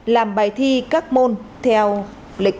làm bài thi các thí sinh